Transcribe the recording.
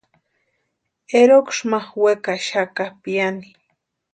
Eroksï ma wekaxaka piani.